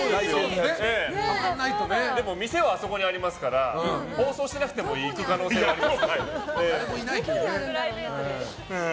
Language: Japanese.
でも、店はあそこにありますから放送しなくても行く可能性はあります。